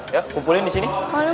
yuk kumpulin disini